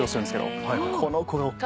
この子が。